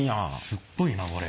すっごいなこれ。